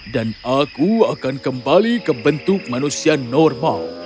aku akan kembali ke bentuk manusia normal